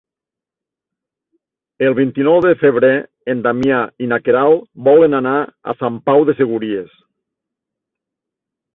El vint-i-nou de febrer en Damià i na Queralt volen anar a Sant Pau de Segúries.